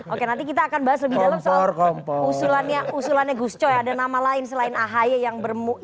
oke nanti kita akan bahas lebih dalam soal usulannya gus coy ada nama lain selain ahy yang